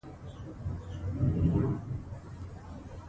موږ به د ژمنو عملي کولو لپاره کوچني ګامونه واخلو.